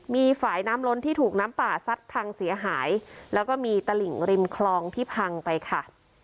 มีฝ่ายน้ำล้นที่ถูกน้ำป่าซัดพังเสียหายแล้วก็มีตลิ่งริมคลองที่พังไปค่ะ